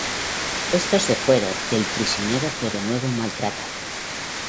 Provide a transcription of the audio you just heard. Estos se fueron y el prisionero fue de nuevo maltratado.